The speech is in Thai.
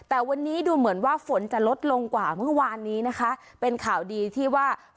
แต่วันนี้มันดูเหมือนว่าฝนจะลดลงกว่าเมื่อวานนี้นะคะเป็นข่าวดีที่ว่าฝนเดียวจะเบาลงไปเรื่อย